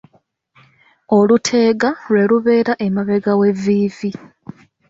Oluteega lwe lubeera emabega w'evviivi.